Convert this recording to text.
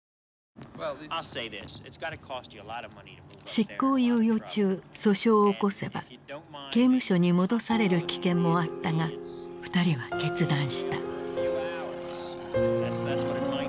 執行猶予中訴訟を起こせば刑務所に戻される危険もあったが二人は決断した。